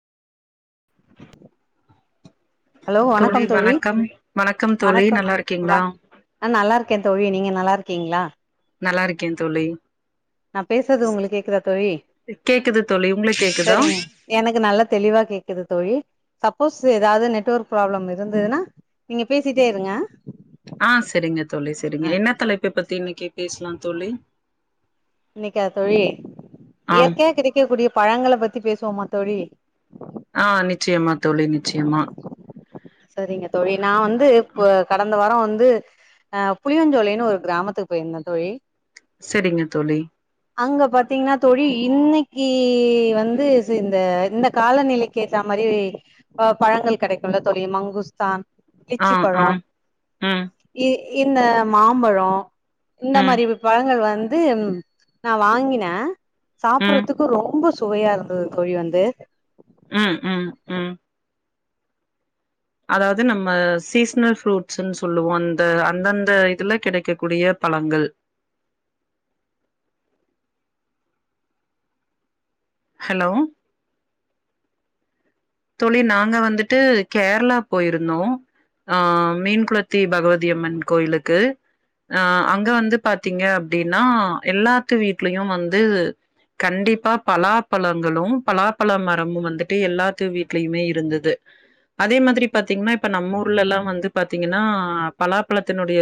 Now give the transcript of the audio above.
hello வணக்கம் தோழி வணக்கம் வா நல்லா இருக்கே தோழி நீங்க நல்லா இருக் கீங்ளா நல்லா இருக்கே தோழி நா பேசுறது உங்களுக்கு கேக்குதா தோழி கேக்குது தோழி உங்களுக்கு கேக்குதா சேரிங் எனக்கு நல்ல தெளிவா கேக்குது தோழி சப்போஸ் ஏதாவது நெட்ஒர்க் ப்ராப்ளம் இருந்துதுனா நீங்க பேசிட்டே இருங்க ஆ சேரிங்க தோழி சேரிங்க ஆ என்ன தலைப்ப பத்தி இன்னக்கி பேஸ்லா தோழி இன்னக்கா தொழி ஆ இயர்கையா கிடைக்க குடிய பழங்கல பத்தி பேசுவோமாதோழி ஆ நிச்சயமா தோழி நிச்சயமா சரிங்க தொழி நா வந்து இப்ப கடந்த வாரோ ந்து அ புளியஞ்சோலைன்னு ஒரு கிராமத்துக்கு போயிர்ந்தே தொழி சரிங்க தோழி அங்க பாத்தீங்னா தொழி இன்னக்கி வந்து இந்த இந்த காலநிலைக்கி ஏத்த மாரி பழங்கள் கெடக்குல தொழி மங்குஸ்தான் ஆ லிச்சி ஆ பழோ உ இ இந்த மாம்பழோ இந்த ம் மாரி பழங்கள் வந் து நா வாங்கினே ம் சாப்பறதுக்கு ரொம்ப சுவையா இருந்தது தோழி வந்து ம் ம் ம் அதாவது நம்ம சீசனல் ஃப்ரூட்ஸ்ன்னு சொல்லுவோ அந்த அந்தந்த இதுல கிடைக்கக்கூடிய பழங்கள் ஹலோ தோழி நாங்க வந்துட்டு கேரளா போயிருந்தோ அ மீன்குளத்தி பகவதியம்மன் கோயிலுக்கு அ அங்க வந்து பாத்தீங்க அப்பிடின்னா எல்லாத்து வீட்லியு வந்து கண்டிப்பா பலாப்பழங்களு பலாப்பல மரமு வந்துட்டு எல்லாத்து வீட் ட்லியுமே இருந்தது அதே மாதிரி பாத்தீங்கன்னா இப்ப நம்ம ஊர்லெல்லா வந்து பாத்தீங்கன்னா பலாபழத்தினுடைய